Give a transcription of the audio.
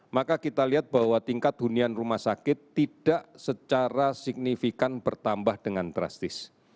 maka kita lihat bahwa tingkat hunian rumah sakit tidak secara signifikan bertambah dengan drastis